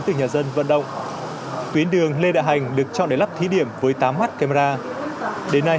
từ nhà dân vận động tuyến đường lê đại hành được chọn để lắp thí điểm với tám mắt camera đến nay